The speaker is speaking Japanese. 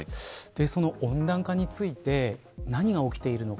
その温暖化について何が起きているのか。